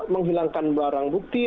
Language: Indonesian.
menghilangkan barang bukti